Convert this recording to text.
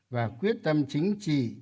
và quyết tâm chính trị